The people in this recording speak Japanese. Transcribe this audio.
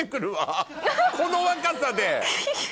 この若さで。